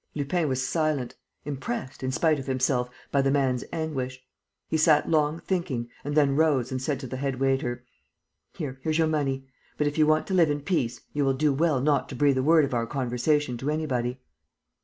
Lupin was silent, impressed, in spite of himself, by the man's anguish. He sat long thinking and then rose and said to the head waiter: "Here, here's your money; but, if you want to live in peace, you will do well not to breathe a word of our conversation to anybody."